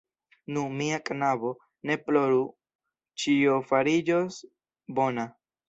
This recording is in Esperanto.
Nu, mia knabo, ne ploru; ĉio fariĝos bona.